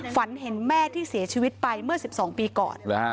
ฝันเห็นแม่ที่เสียชีวิตไปเมื่อ๑๒ปีก่อน